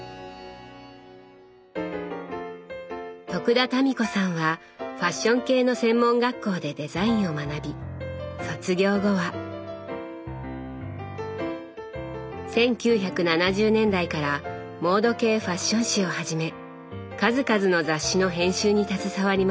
田民子さんはファッション系の専門学校でデザインを学び卒業後は１９７０年代からモード系ファッション誌をはじめ数々の雑誌の編集に携わりました。